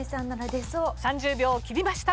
３０秒を切りました。